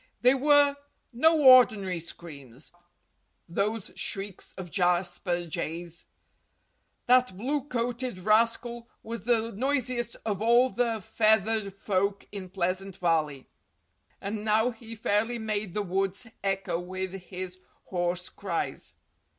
They were no ordinary screams—those shrieks of Jasper Jay's. That blue coated rascal was the noisiest of all the feathered folk in Pleasant Valley. And now he fairly made the woods echo with his hoarse cries.